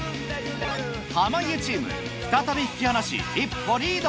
濱家チーム再び引き離し一歩リード！